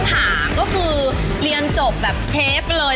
ถามก็คือเรียนจบแบบเชฟเลย